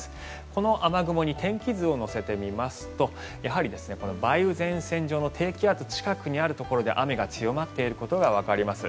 この雨雲に天気図を乗せて見ますとやはり梅雨前線上の低気圧近くにあるところで雨が強まっていることがわかります。